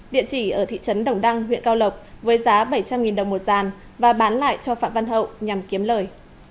địa chỉ ở thị trấn đồng đăng huyện cao lộc với giá bảy trăm linh đồng một giàn và bán lại cho phạm văn hậu nhằm kiếm lời